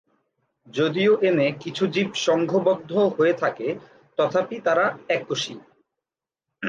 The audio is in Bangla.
যদিও এনে কিছু জীব সংঘবদ্ধ হয়ে থাকে, তথাপি তারা এককোষী।